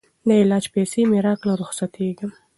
د علاج پیسې مي راکړه رخصتېږم